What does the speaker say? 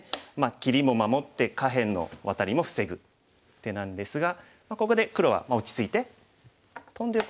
切りも守って下辺のワタリも防ぐ手なんですがここで黒は落ち着いてトンでいくだけでもう既に崩れてますので。